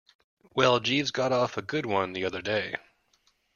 Well, Jeeves got off a good one the other day.